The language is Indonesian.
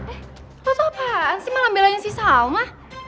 eh apa apaan sih malam belanya si salma